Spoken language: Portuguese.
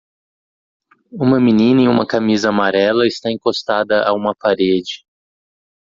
Uma menina em uma camisa amarela está encostada a uma parede.